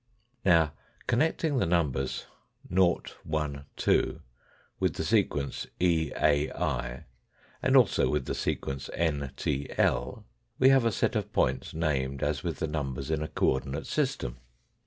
Now, connecting the numbers 0, 1, 2 with the sequence e, a, i, and also with the sequence n, t, 1, we have a set of points named as with numbers in a co ordinate system.